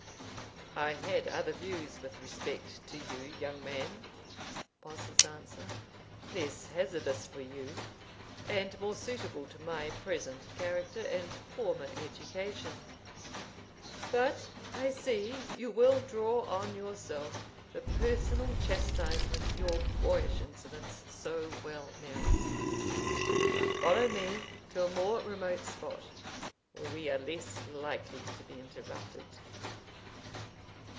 "I had other views with respect to you, young man," was his answer: "less hazardous for you, and more suitable to my present character and former education. But I see you will draw on yourself the personal chastisement your boyish insolence so well merits. Follow me to a more remote spot, where we are less likely to be interrupted."